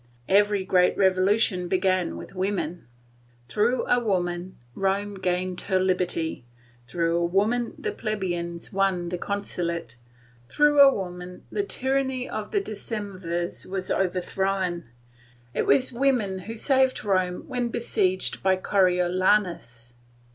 Every great revolution began with the women. Through a woman Rome gained her liberty, through a woman the plebeians won the consulate, through a woman the tyranny of the decemvirs was overthrown; it was the women who saved Rome when besieged by Coriolanus.